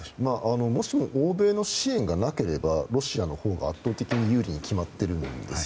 もしも欧米の支援がなければロシアのほうが圧倒的に有利に決まっているんです。